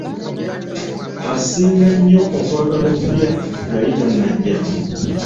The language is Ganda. Asinga nnyo okwagala okulya yali tanajja.